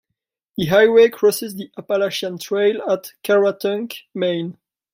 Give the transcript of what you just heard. The highway crosses the Appalachian Trail at Caratunk, Maine.